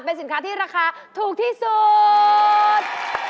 เป็นสินค้าที่ราคาถูกที่สุด